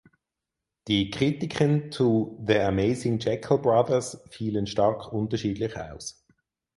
Die Kritiken zu "The Amazing Jeckel Brothers" fielen stark unterschiedlich aus.